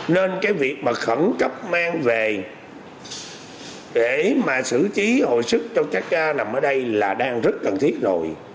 nên cái việc mà khẩn cấp mang về để mà xử trí hồi sức cho các nằm ở đây là đang rất cần thiết rồi